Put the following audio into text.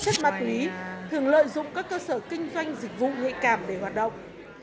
chất ma túy thường lợi dụng các cơ sở kinh doanh dịch vụ nhạy cảm để hoạt động